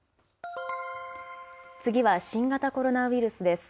次は新型コロナウイルスです。